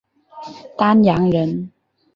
丹阳人。